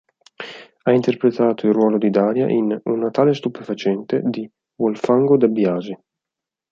Ha interpretato il ruolo di Daria in "Un Natale Stupefacente" di Volfango De Biasi.